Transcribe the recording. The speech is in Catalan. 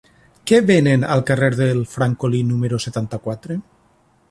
Què venen al carrer del Francolí número setanta-quatre?